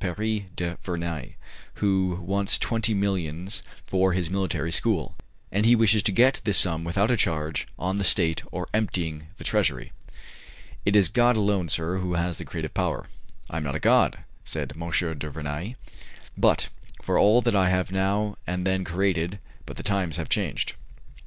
Paris du Vernai, who wants twenty millions for his military school; and he wishes to get this sum without a charge on the state or emptying the treasury." "It is God alone, sir, who has the creative power." "I am not a god," said M. du Vernai, "but for all that I have now and then created but the times have changed."